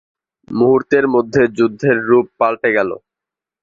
মুহূর্তের মধ্যে যুদ্ধের রূপ পাল্টে গেল।